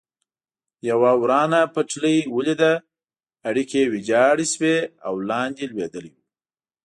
یوه ورانه پټلۍ ولیده، اړیکي یې ویجاړ شوي او لاندې لوېدلي و.